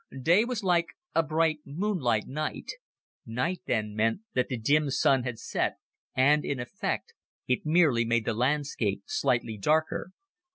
Day was like a bright, moonlight night. Night then meant that the dim Sun had set and, in effect, it merely made the landscape slightly darker.